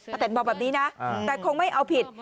เต็นบอกแบบนี้นะแต่คงไม่เอาผิด